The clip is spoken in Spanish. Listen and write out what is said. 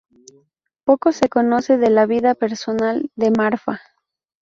Poco se conoce de la vida personal de Marfa.